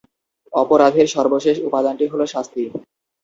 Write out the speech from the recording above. অপরাধের সর্বশেষ উপাদানটি হলো শাস্তি।